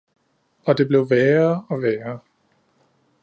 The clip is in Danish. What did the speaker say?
Og det blev værre og værre